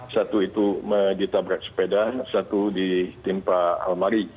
satu itu ditabrak sepeda satu ditimpa almari